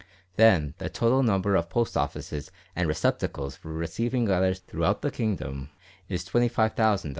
Then, the total number of Post offices and receptacles for receiving letters throughout the kingdom is 25,000 odd.